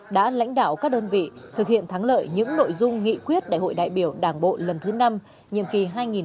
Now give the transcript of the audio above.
đã lãnh đảo các đơn vị thực hiện thắng lợi những nội dung nghị quyết đại hội đại biểu đảng bộ lần thứ năm nhiệm kỳ hai nghìn một mươi năm hai nghìn hai mươi